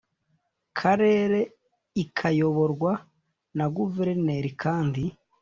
Karere ikayoborwa na Guverineri kandi